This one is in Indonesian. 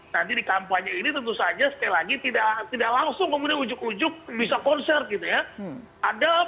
nanti di kampanye ini tentu saja sekali lagi tidak langsung kemudian ujuk ujug bisa konsert gitu ya